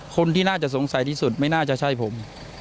คนที่น่าจะสงสัยที่สุดไม่น่าจะใช่ผม